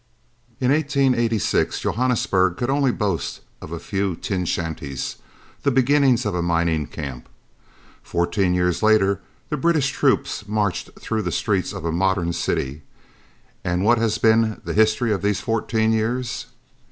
In 1886 Johannesburg could only boast of a few tin shanties the beginnings of a mining camp; fourteen years later the British troops marched through the streets of a modern city. And what has been the history of these fourteen years?